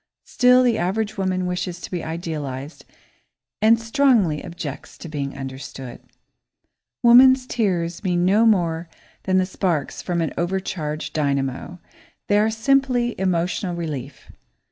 Still, the average woman wishes to be idealised and strongly objects to being understood. [Sidenote: "Tears, Idle Tears"] Woman's tears mean no more than the sparks from an overcharged dynamo; they are simply emotional relief.